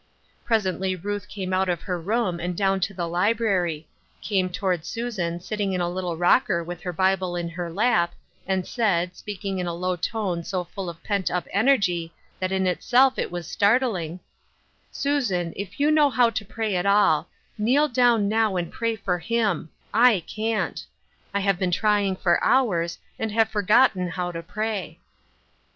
Presently Ruth came out of her room and down to the library — came toward Susan sit ting in the little rocker with her Bible in her lap, and said, speaking in a low tone so full of pent* up energy that in itself it was startling :" Susan, if you know how to pray at all, knee] 218 Ruth Erskina'^ Crosses. down DOW and pray for him — I can't. I have been trying for hours, and have forgotten how to pray."